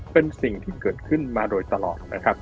เป็นสิ่งที่เกิดขึ้นมาโดยตลอด